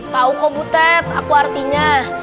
tahu kok butet aku artinya